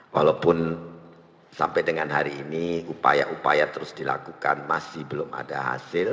walaupun sampai dengan hari ini upaya upaya terus dilakukan masih belum ada hasil